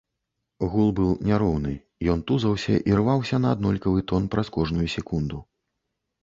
Гул быў няроўны, ён тузаўся і рваўся на аднолькавы тон праз кожную секунду.